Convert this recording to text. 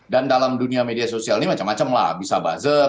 dan dalam dunia media sosial ini macam macam lah bisa buzzer